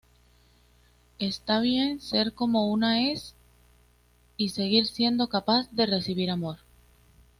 Está bien ser como una es y seguir siendo capaz de recibir amor.